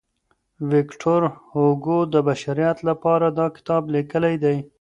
ویکټور هوګو د بشریت لپاره دا کتاب لیکلی دی.